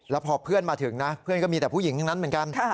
แล้วพอเพื่อนมาถึงนะเพื่อนก็มีแต่ผู้หญิงทั้งนั้นเหมือนกัน